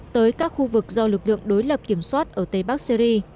tới các khu vực do lực lượng đối lập kiểm soát ở tây bắc syri